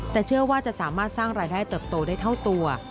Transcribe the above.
แต่เชื่อว่าจะสามารถสร้างรายได้เติบโตได้เท่าตัว